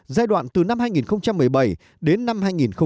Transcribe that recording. giai đoạn từ năm hai nghìn một mươi bảy đến năm hai nghìn hai mươi